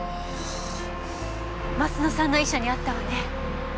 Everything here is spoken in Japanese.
鱒乃さんの遺書にあったわね。